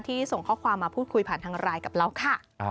ส่งข้อความมาพูดคุยผ่านทางไลน์กับเราค่ะ